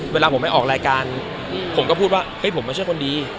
เวลาผมไปออกรายการผมก็พูดว่าเฮ้ยผมไม่ใช่คนดี